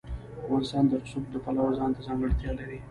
افغانستان د رسوب د پلوه ځانته ځانګړتیا لري.